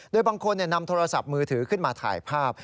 โดยบางคนนำโทรศัพท์มือถือขึ้นมาถ่ายภาพ